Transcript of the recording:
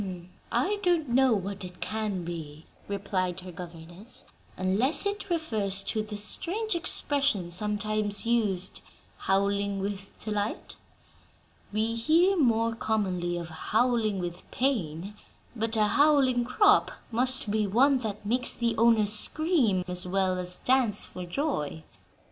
"I don't know what it can be," replied her governess, "unless it refers to the strange expression sometimes used, 'howling with delight.' We hear more commonly of 'howling with pain,' but 'a howling crop' must be one that makes the owner scream, as well as dance for joy."